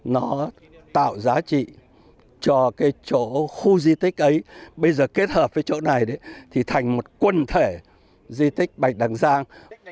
nó tạo giá trị cho cái chỗ khu di tích ấy bây giờ kết hợp với chỗ này thì thành một quần thể di tích bạch đằng giang